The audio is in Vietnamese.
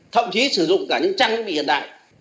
thậm chí sử dụng cả những trang thiết bị hiện đại